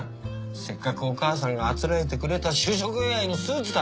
せっかくお母さんがあつらえてくれた就職祝いのスーツだ。